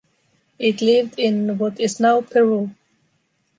It lived in what is now Peru.